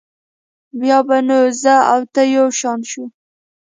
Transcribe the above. بیا به نو زه او ته یو شان شو.